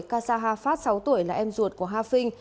casa hafat sáu tuổi là em ruột của hafin